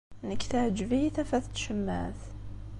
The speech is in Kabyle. Nekk teɛǧeb-iyi tafat n tcemmaɛt.